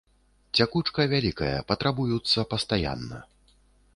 Цякучка вялікая, патрабуюцца пастаянна.